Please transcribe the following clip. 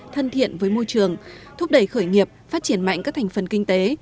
thân thiện với môi trường thúc đẩy khởi nghiệp phát triển mạnh các thành phần kinh tế